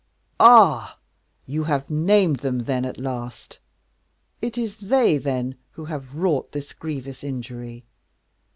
"Ah! you have named them, then, at last; it is they, then, who have wrought this grievous injury?